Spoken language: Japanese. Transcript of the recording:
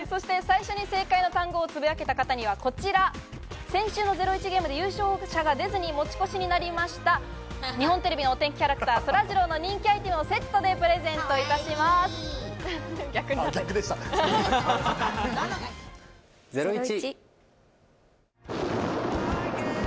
そして最初に正解の単語をつぶやけた方にはこちら、先週のゼロイチゲームで優勝者が出ずに持ち越しになりました、日本テレビのお天気キャラクター、そらジローの人気アイテムをセッゼロイチ！